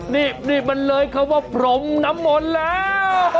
นี่นี่มันเลยเขาว่าผมน้ำมนต์แล้ว